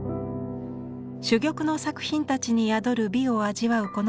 珠玉の作品たちに宿る美を味わう